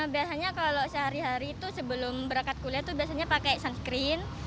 biasanya kalau sehari hari itu sebelum berangkat kulit itu biasanya pakai sun screen